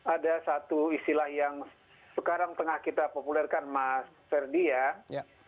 ada satu istilah yang sekarang tengah kita populerkan mas ferdi ya